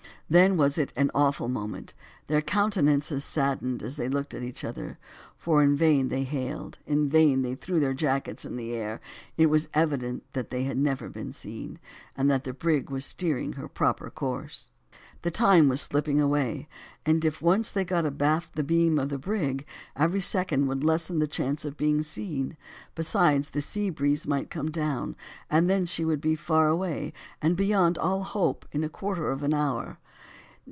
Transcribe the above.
Then was it an awful moment; their countenances saddened as they looked at each other; for in vain they hailed, in vain they threw their jackets in the air; it was evident they had never been seen, and that the brig was steering her proper course. The time was slipping away, and if once they got abaft the beam of the brig, every second would lessen the chance of being seen, besides, the sea breeze might come down, and then she would be far away, and beyond all hope in a quarter of an hour.